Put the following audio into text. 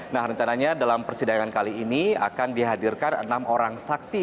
nah rencananya dalam persidangan kali ini akan dihadirkan enam orang saksi